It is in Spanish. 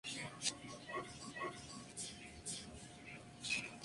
No obstante, siempre existieron tensiones entre ambas visiones.